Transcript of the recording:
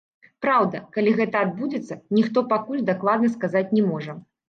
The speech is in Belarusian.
Праўда, калі гэта адбудзецца, ніхто пакуль дакладна сказаць не можа.